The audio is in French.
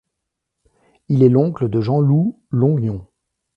Il est l'oncle de Jean-Loup Longnon.